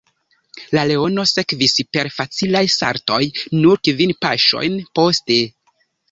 La leono sekvis per facilaj saltoj nur kvin paŝojn poste.